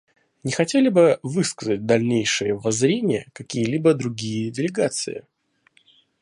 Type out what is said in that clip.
Не хотели ли бы высказать дальнейшие воззрения какие-либо другие делегации?